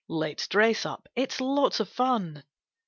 *Let 's dress up! It's lots of fun.'